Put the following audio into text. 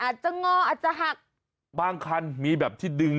อันนั้นอันหนึ่ง